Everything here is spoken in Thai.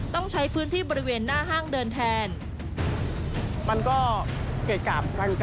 ต้องใช้พื้นที่บริเวณหน้าห้างเดินแทน